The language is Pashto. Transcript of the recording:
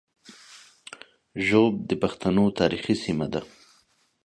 ږوب د پښتنو تاریخي سیمه ده